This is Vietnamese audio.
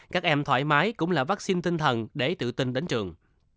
các em thoải mái cũng là vaccine tinh thần để tự tin đến trường